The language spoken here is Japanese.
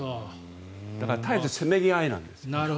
だから絶えずせめぎ合いなんです。